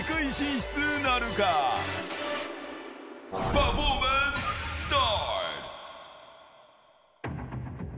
パフォーマンススタート。